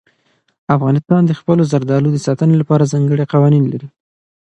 افغانستان د خپلو زردالو د ساتنې لپاره ځانګړي قوانین لري.